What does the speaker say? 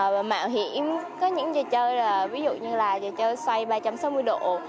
và mạo hiểm có những trò chơi ví dụ như là trò chơi xoay ba trăm sáu mươi độ